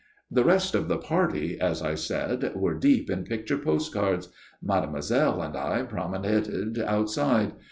The rest of the party, as I said, were deep in picture postcards. Mademoiselle and I promenaded outside.